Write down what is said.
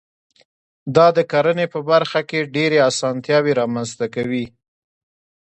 دا د کرنې په برخه کې ډېرې اسانتیاوي رامنځته کوي.